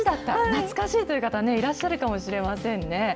懐かしいという方いらっしゃるかもしれませんね。